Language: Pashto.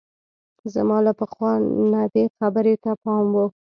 زما له پخوا نه دې خبرې ته پام وو.